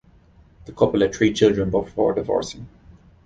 The couple had three children before divorcing.